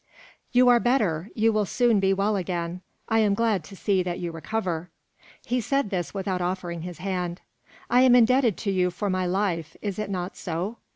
"You are better; you will soon be well again. I am glad to see that you recover." He said this without offering his hand. "I am indebted to you for my life. Is it not so?"